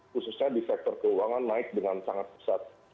khususnya di sektor keuangan naik dengan sangat pesat